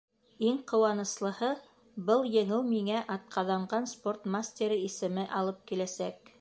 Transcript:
Иң ҡыуаныслыһы: был еңеү миңә «Атҡаҙанған спорт мастеры» исеме алып киләсәк.